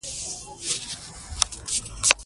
هغه د کورنۍ غړو ته د ورزش اهمیت پوهه ورکوي.